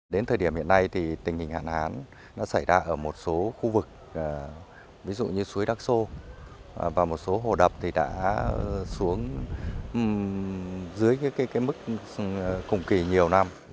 đến thời điểm hiện nay thì tình hình hạn hán xảy ra ở một số khu vực ví dụ như suối đắc sô và một số hồ đập thì đã xuống dưới mức cùng kỳ nhiều năm